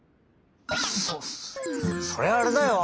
そそれはあれだよ！